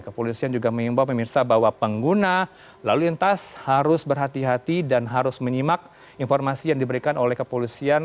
kepolisian juga mengimbau pemirsa bahwa pengguna lalu lintas harus berhati hati dan harus menyimak informasi yang diberikan oleh kepolisian